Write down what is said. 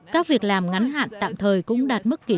các việc làm ngắn hạn tạm thời cũng đạt mức tư nhân